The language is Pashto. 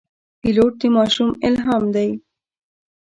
پیلوټ د ماشومانو الهام دی.